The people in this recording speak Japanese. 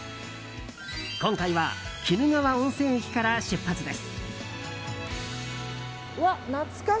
今回は鬼怒川温泉駅から出発です。